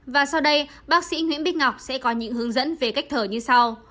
và sau đây bác sĩ nguyễn bích ngọc sẽ có những hướng dẫn về cách thở như sau